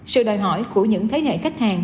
sự đòi hỏi của những thế hệ khách hàng